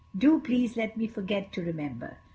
Do please let me forget to remember."